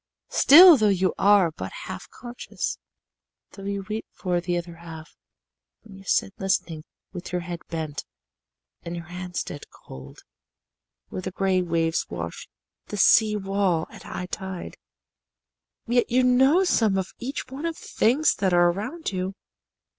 "Still, though you are but half conscious, though you weep for the other half, when you sit listening with your head bent and your hands dead cold, where the gray waves wash the sea wall at high tide yet you know some of each one of the things that are around you.